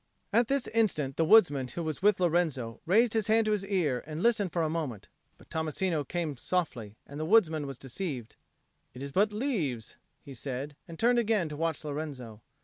At this instant the woodsman who was with Lorenzo raised his hand to his ear and listened for a moment; but Tommasino came softly, and the woodsman was deceived. "It is but leaves," he said, and turned again to watch Lorenzo.